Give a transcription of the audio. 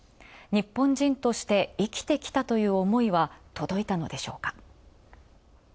日本人として生きてきたという思いは届いたのでしょうか？